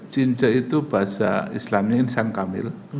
jinjai itu bahasa islamnya insan kamil